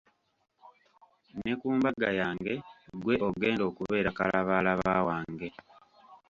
Ne ku mbaga yange ggwe ogenda okubeera kalabaalaba wange.